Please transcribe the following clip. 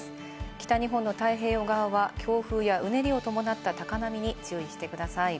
北日本の太平洋側は強風やうねりを伴った高波に注意してください。